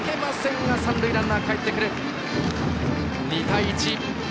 ２対１。